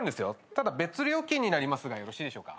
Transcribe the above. ただ別料金になりますがよろしいでしょうか？